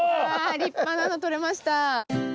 立派なのとれました。